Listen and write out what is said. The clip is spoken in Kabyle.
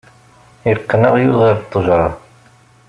Iqqen aɣyul ɣer ttejra.